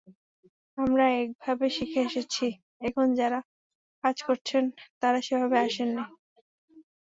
আমরা একভাবে শিখে এসেছি, এখন যাঁরা কাজ করছেন তাঁরা সেভাবে আসেননি।